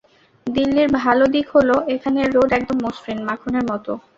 দিল্লির ভালো দিক হলো এখানের রোড একদম মসৃণ, মাখনের মতো।